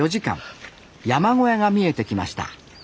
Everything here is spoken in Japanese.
山小屋が見えてきました